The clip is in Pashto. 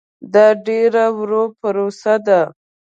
دا ډېره ورو پروسه ده.